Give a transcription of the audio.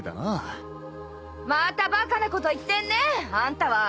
・またバカなこと言ってんねぇあんたは。